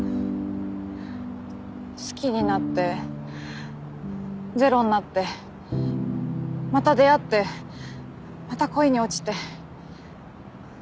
好きになってゼロになってまた出会ってまた恋に落ちて。